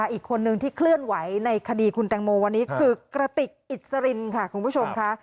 อีกคนนึงที่เคลื่อนไหวในคดีคุณแตงโมวันนี้คือกระติกอิสรินค่ะคุณผู้ชมค่ะ